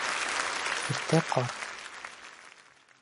Иртә ҡар